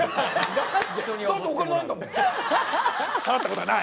払ったことがない？